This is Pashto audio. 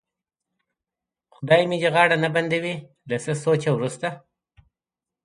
خدای مې دې غاړه نه بندوي، له څه سوچه وروسته.